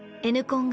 「Ｎコン」